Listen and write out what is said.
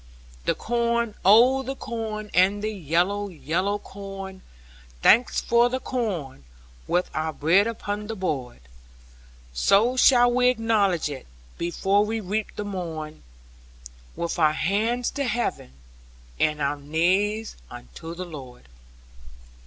(Chorus) The corn, oh the corn, and the yellow, mellow corn! Thanks for the corn, with our bread upon the board! So shall we acknowledge it, before we reap the morn, With our hands to heaven, and our knees unto the Lord.